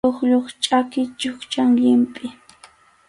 Chuqllup chʼaki chukchan llimpʼi.